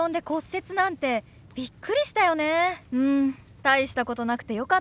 大したことなくてよかったね。